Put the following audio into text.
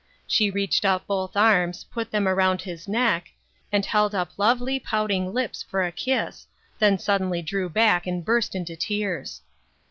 She reached up both arms, put them around his neck, and held up lovely, pouting lips for a kiss, then suddenly drew back and burst into tears.